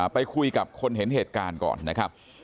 ไปคุยกับคนเห็นเหตุการณ์ก่อนนะครับ